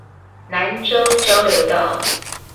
南州交流道